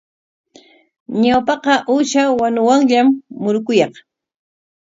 Ñawpaqa uusha wanuwanllam murukuyaq.